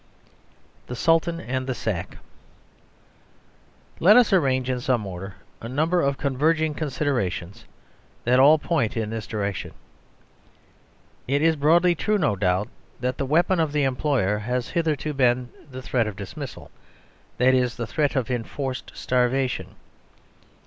The Sultan and the Sack Let us arrange in some order a number of converging considerations that all point in this direction. (1) It is broadly true, no doubt, that the weapon of the employer has hitherto been the threat of dismissal, that is, the threat of enforced starvation.